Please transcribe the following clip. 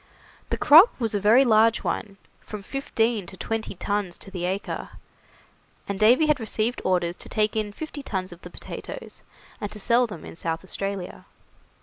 The crop was a very large one, from fifteen to twenty tons to the acre, and Davy had received orders to take in fifty tons of the potatoes, and to sell them in South Australia.